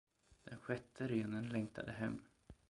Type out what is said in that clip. Den sjätte renen längtade hem.